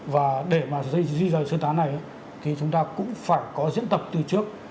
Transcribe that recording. và để mà dây di rời sơ tán này thì chúng ta cũng phải có diễn tập từ trước